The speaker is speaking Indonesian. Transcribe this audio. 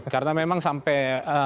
karena memang sampai